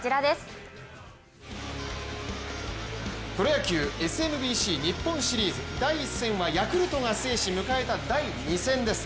プロ野球ＳＭＢＣ日本シリーズ、第１戦はヤクルトが制し迎えた第２戦です。